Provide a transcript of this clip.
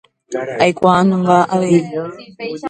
Aikuaanunga avei.